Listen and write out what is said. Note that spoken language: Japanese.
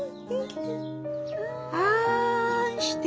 あんして。